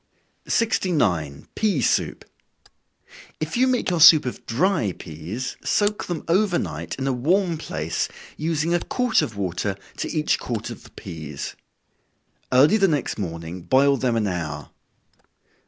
69. Pea Soup. If you make your soup of dry peas, soak them over night, in a warm place, using a quart of water to each quart of the peas. Early the next morning boil them an hour.